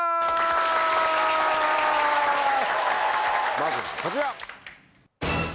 まずはこちら！